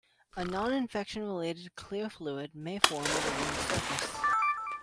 A noninfection-related clear fluid may form on the wound's surface.